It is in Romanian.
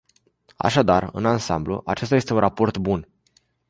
Așadar, în ansamblu, acesta este un raport bun.